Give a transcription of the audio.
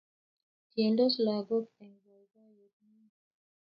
Tiendos lagok eng boiboiyet neo